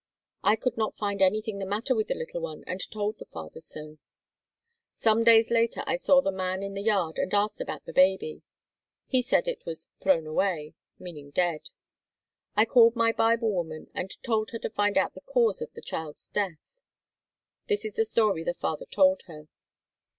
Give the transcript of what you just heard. I could not find anything the matter with the little one and told the father so. Some days later I saw the man in the yard and asked about the baby. He said it was "thrown away" meaning dead. I called my Bible woman and told her to find out the cause of the child's death. This is the story the father told her.